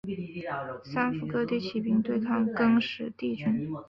三辅各地起兵对抗更始帝军。